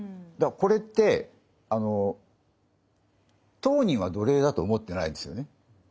だからこれって当人は奴隷だと思ってないんですよね。